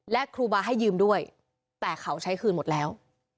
และครูบาให้ยืมด้วยแต่เขาใช้คืนหมดแล้ว